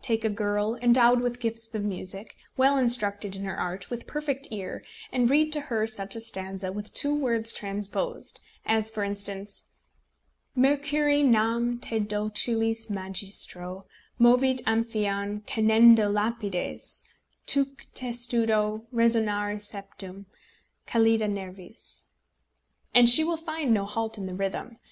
Take a girl, endowed with gifts of music, well instructed in her art, with perfect ear, and read to her such a stanza with two words transposed, as, for instance Mercuri, nam te docilis magistro Movit Amphion canendo lapides, Tuque testudo resonare septem Callida nervis and she will find no halt in the rhythm.